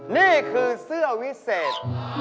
นี่คือเสื้อวิเศษ